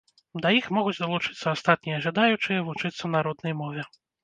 Да іх могуць далучыцца астатнія жадаючыя вучыцца на роднай мове.